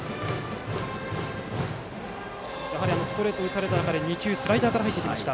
やはりストレートを打たれた中で２球、スライダーから入ってきました。